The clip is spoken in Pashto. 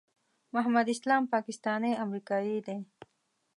محمد اسلام پاکستانی امریکایی دی.